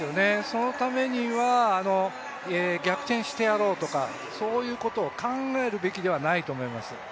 そのためには逆転してやろうとかいうことを考えるべきではないと思います。